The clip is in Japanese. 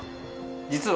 実は